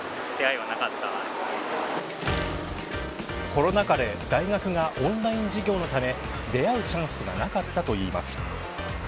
コロナ禍で大学がオンライン授業のため出会うチャンスがなかったといいます。